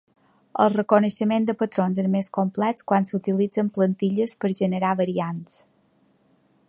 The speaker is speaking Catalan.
El reconeixement de patrons és més complex quan s'utilitzen plantilles per generar variants.